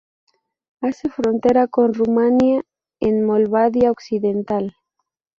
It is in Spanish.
Hace frontera con Rumania, en Moldavia occidental.